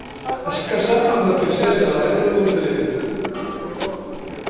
Es casà amb la princesa Helena de Montenegro.